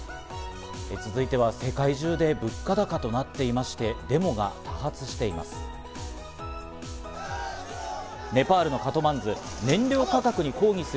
続いては世界中で物価高となっていまして、デモが多発しています。